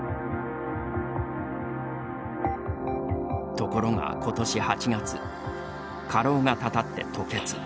ところが今年８月過労がたたって吐血。